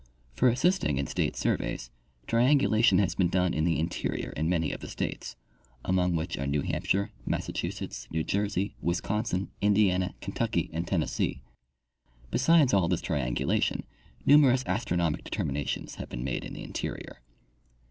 For assisting in state surveys, triangulation has been done in the interior in many of the states, among which are New Hampshire, Massachusetts, New Jersey, Wisconsin, Indiana, Kentucky and Tennessee. Besides all this triangulation, numerous astronomic determinations have been made in the interior.